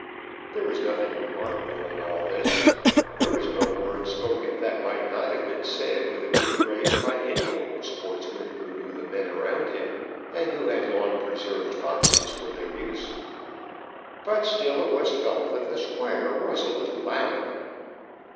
There was nothing remarkable in all this. There was no word spoken that might not have been said with a good grace by any old sportsman, who knew the men around him, and who had long preserved foxes for their use; but still it was felt that the Squire was a little loud.